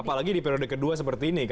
apalagi di periode ke dua seperti ini